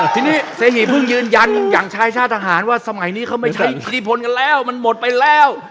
ทีนี้เซหีเพิ่งยืนยันอย่างชายชาติทหารว่าสมัยนี้เขาไม่ใช้อิทธิพลกันแล้วมันหมดไปแล้ว